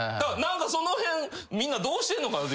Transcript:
その辺みんなどうしてんのかな。